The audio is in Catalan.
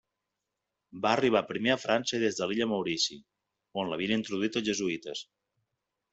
Va arribar primer a França des de l'Illa Maurici, on l'havien introduït els Jesuïtes.